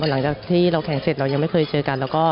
หลังจากที่เราแข่งเสร็จเรายังไม่เคยเจอกันแล้วก็